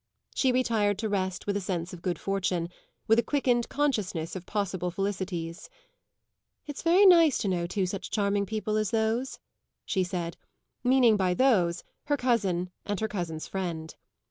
She retired to rest with a sense of good fortune, with a quickened consciousness of possible felicities. "It's very nice to know two such charming people as those," she said, meaning by "those" her cousin and her cousin's friend.